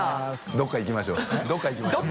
どっか行きましょう」